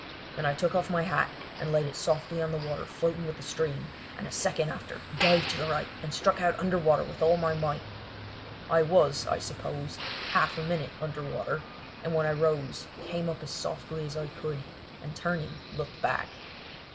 Then I took off my hat and laid it softly on the water floating with the stream, and a second after dived to the right and struck out under water with all my might. I was, I suppose, half a minute under water, and when I rose came up as softly as I could, and turning, looked back.